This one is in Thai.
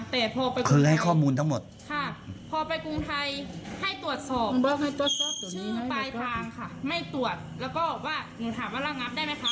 ธนาคารไม่เห็นจะว่าอะไรแต่พอเราได้รับความเสียหายแบบนี้ค่ะ